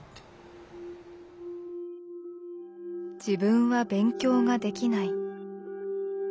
自分は勉強ができない。